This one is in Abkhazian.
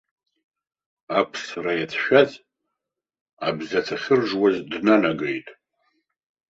Аԥсра иацәшәаз, абзацәа ахьыржуаз днанагеит.